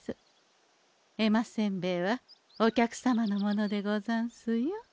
絵馬せんべいはお客様のものでござんすよ。